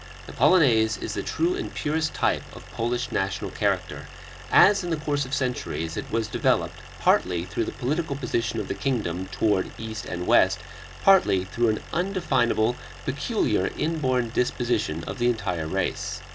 The Polonaise is the true and purest type of Polish national character, as in the course of centuries it was developed, partly through the political position of the kingdom toward east and west, partly through an undefinable, peculiar, inborn disposition of the entire race.